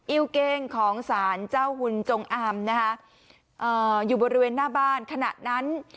เก้งของสารเจ้าหุ่นจงอามนะคะอยู่บริเวณหน้าบ้านขณะนั้น